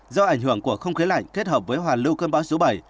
do ảnh hưởng của không khí lạnh kết hợp với hoàn lưu cơn bão số bảy